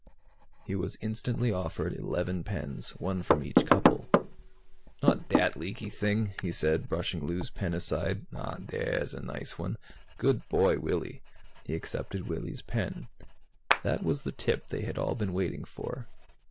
He was instantly offered eleven pens, one from each couple. "Not that leaky thing," he said, brushing Lou's pen aside. "Ah, there's a nice one. Good boy, Willy." He accepted Willy's pen. That was the tip they had all been waiting for.